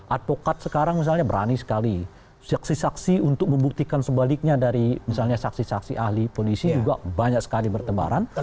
advokat sekarang misalnya berani sekali saksi saksi untuk membuktikan sebaliknya dari misalnya saksi saksi ahli polisi juga banyak sekali bertebaran